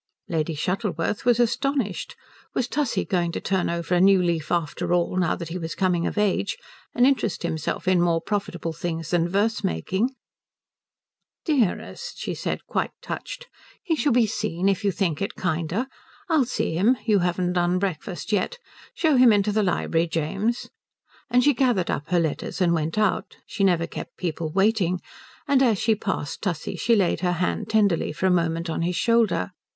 Lady Shuttleworth was astonished. Was Tussie going to turn over a new leaf after all, now that he was coming of age, and interest himself in more profitable things than verse making? "Dearest," she said, quite touched, "he shall be seen if you think it kinder. I'll see him you haven't done breakfast yet. Show him into the library, James." And she gathered up her letters and went out she never kept people waiting and as she passed Tussie she laid her hand tenderly for a moment on his shoulder.